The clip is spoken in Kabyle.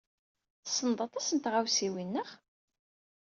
Tessneḍ aṭas n tɣawsiwin, naɣ?